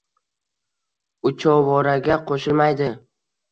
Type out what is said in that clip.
Uchovoraga qo‘shilmaydi